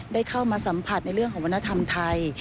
ได้เข้ามาสัมผัสในเรื่องของวัฒนธรรมไทย